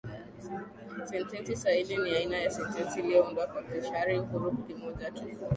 Sentensi sahili ni aina ya sentensi iliyoundwa kwa kishazi huru kimoja tu.